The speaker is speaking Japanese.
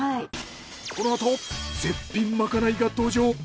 このあと絶品まかないが登場。